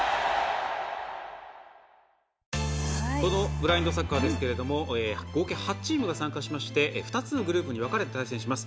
ブラインドサッカーですが合計８チームが参加して２つのグループに分かれて対戦します。